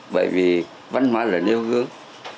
bởi vì văn hóa là nêu gương